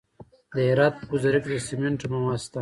د هرات په ګذره کې د سمنټو مواد شته.